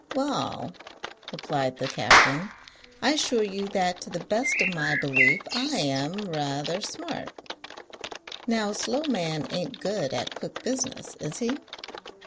"Wa'al," replied the captain, "I assure you that to the best of my belief I am ra'ather smart. Now a slow man ain't good at quick business, is he?"